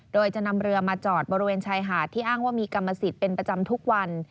โดยจะนำเรือมาจอดบริเวณชายหาดที่อ้างว่ามีกรรมสิทธิ์เป็นประจำทุกวัน